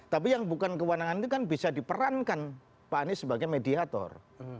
tapi yang bukan kewenangan itu kan bisa diperankan pak anies sebagai mediator